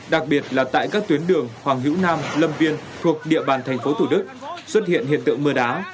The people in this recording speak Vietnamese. đặc biệt là tại các tuyến đường hoàng hữu nam lâm viên thuộc địa bàn tp tủ đức xuất hiện hiện tượng mưa đá